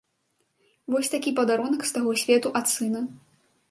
Вось такі падарунак з таго свету ад сына.